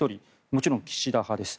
もちろん岸田派です。